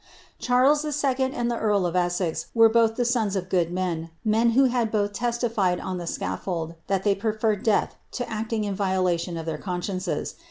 Cliarles II. and the earl of Essex were both the sons of good men men who had both testified on the scaffold that they preferred death to acting in violation of their consciences.